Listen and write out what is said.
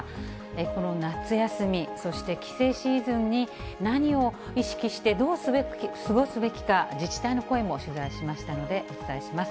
この夏休み、そして帰省シーズンに何を意識して、どう過ごすべきか、自治体の声も取材しましたので、お伝えします。